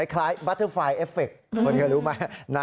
คล้ายบัตเตอร์ไฟล์เอฟเฟคคุณเคยรู้ไหม